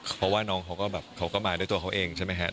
เพราะว่าน้องเขาก็มาด้วยตัวเขาเองใช่มั้ยครับ